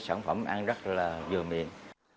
sản phẩm ăn rất là vừa miền